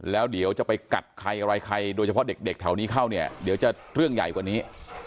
แล้วเดี๋ยวจะไปกัดใครอะไรใครโดยเฉพาะเด็กแถวนี้เข้าเนี่ยเดี๋ยวจะเรื่องใหญ่กว่านี้